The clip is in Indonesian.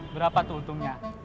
berapa tuh untungnya